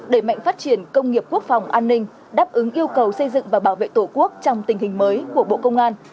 đẩy mạnh phát triển công nghiệp quốc phòng an ninh đáp ứng yêu cầu xây dựng và bảo vệ tổ quốc trong tình hình mới của bộ công an